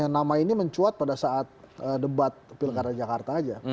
nama ini mencuat pada saat debat pilkada jakarta aja